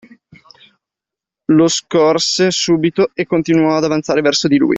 Lo scorse subito e continuò ad avanzare verso di lui.